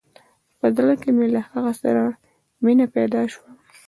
په زړه کښې مې له هغه سره مينه پيدا سوه.